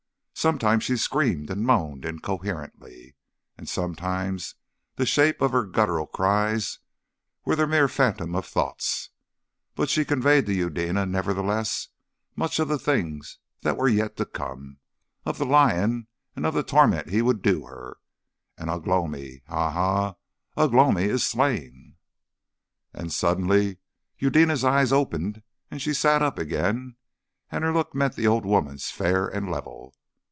Sometimes she screamed and moaned incoherently, and sometimes the shape of her guttural cries was the mere phantom of thoughts. But she conveyed to Eudena, nevertheless, much of the things that were yet to come, of the Lion and of the torment he would do her. "And Ugh lomi! Ha, ha! Ugh lomi is slain?" And suddenly Eudena's eyes opened and she sat up again, and her look met the old woman's fair and level.